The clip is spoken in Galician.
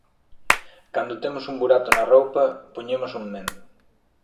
Cando temos un burato na roupa, poñemos un mendo.